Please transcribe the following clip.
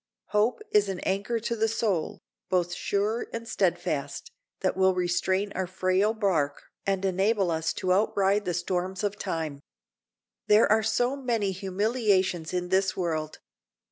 Hope is an anchor to the soul, both sure and steadfast, that will restrain our frail bark and enable us to outride the storms of time. There are so many humiliations in this world!